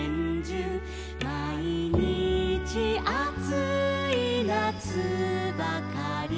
「まいにちあついなつばかり」